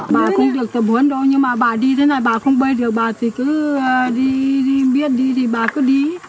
bà không được tập huấn đâu nhưng mà bà đi thế này bà không bơi được bà thì cứ đi biết đi thì bà cứ đi